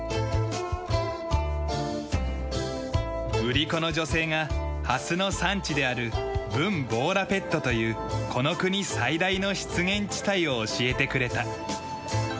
売り子の女性がハスの産地であるブン・ボーラペットというこの国最大の湿原地帯を教えてくれた。